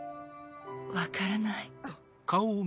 分からない。